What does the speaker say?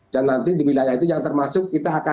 dan nanti di wilayah itu yang termasuk